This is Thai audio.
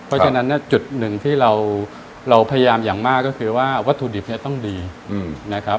เพราะฉะนั้นจุดหนึ่งที่เราพยายามอย่างมากก็คือว่าวัตถุดิบเนี่ยต้องดีนะครับ